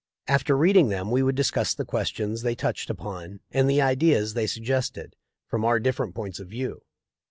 After read ing them we would discuss the questions they touched upon and the ideas they suggested, from our different points of view.